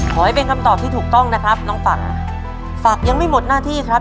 ขอให้เป็นคำตอบที่ถูกต้องนะครับน้องฝักฝักยังไม่หมดหน้าที่ครับ